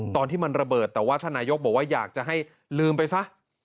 ตอนที่มันระเบิดแต่ว่าท่านนายกบอกว่าอยากจะให้ลืมไปซะ